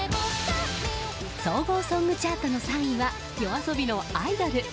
総合ソングチャートの３位はＹＯＡＳＯＢＩの「アイドル」。